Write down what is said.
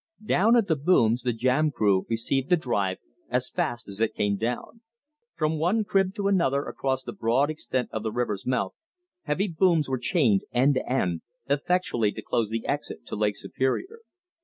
Down at the booms the jam crew received the drive as fast as it came down. From one crib to another across the broad extent of the river's mouth, heavy booms were chained end to end effectually to close the exit to Lake Superior.